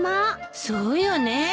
そうよねえ。